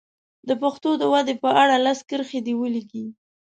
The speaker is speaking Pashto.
د پښتو د ودې په اړه لس کرښې دې ولیکي.